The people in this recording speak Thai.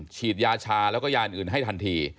ฉีดยาชาแล้วก็ยาอื่นให้ทันที